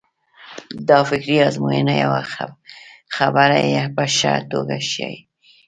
دا فکري ازموینه یوه خبره په ښه توګه ښيي.